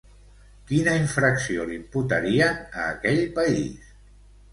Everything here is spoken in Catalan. Quina infracció l'imputarien a aquell país?